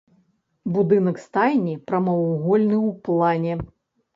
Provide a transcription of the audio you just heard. Будынак стайні прамавугольны ў плане.